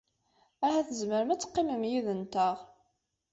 Ahat tzemrem ad teqqimem yid-nteɣ.